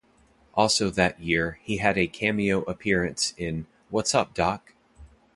Also that year, he had a cameo appearance in What's Up, Doc?